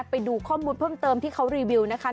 ไปดูข้อมูลเพิ่มเติมที่เขารีวิวนะคะ